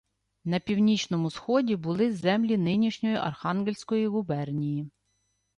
«На північному сході були землі нинішньої Архангельської губернії